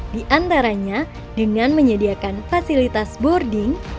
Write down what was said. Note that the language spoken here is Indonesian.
diantaranya dengan menyediakan fasilitas boarding